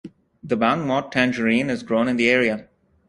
The Bang Mot tangerine is grown in the area.